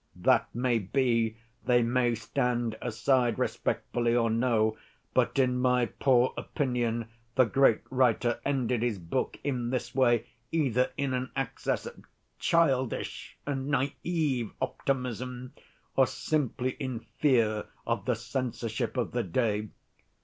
That may be, they may stand aside, respectfully or no, but in my poor opinion the great writer ended his book in this way either in an access of childish and naïve optimism, or simply in fear of the censorship of the day.